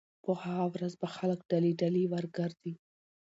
په هغه ورځ به خلک ډلې ډلې ورګرځي